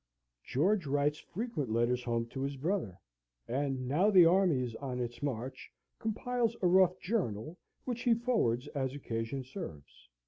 George writes frequent letters home to his brother, and, now the army is on its march, compiles a rough journal, which he forwards as occasion serves.